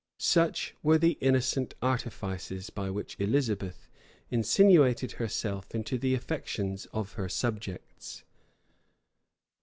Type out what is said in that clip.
[*] Such were the innocent artifices by which Elizabeth insinuated herself into the affections of her subjects.